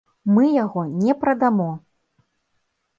Мы яго не прадамо!